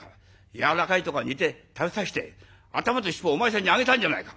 やわらかいところは煮て食べさして頭と尻尾をお前さんにあげたんじゃないか！